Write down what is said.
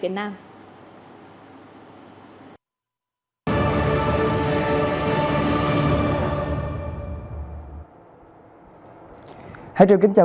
đem lại các bài thấy